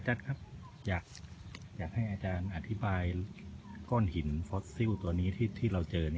อาจารย์ครับอยากให้อาจารย์อธิบายก้นหินฟอสซิลตัวนี้ที่เราเจอ